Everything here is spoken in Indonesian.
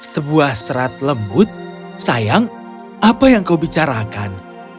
sebuah serat lembut sayang apa yang kau bicarakan